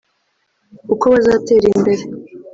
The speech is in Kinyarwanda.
uko bazatera imbere